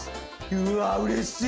うわっうれしい！